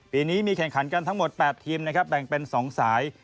ปีนี้มีแข่งขันกันทั้งหมด๘ทีมนะครับแบ่งเป็น๒สาย